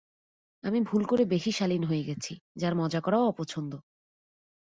আমি ভুল করে বেশী শালিন হয়ে গেছি যার মজা করাও অপছন্দ।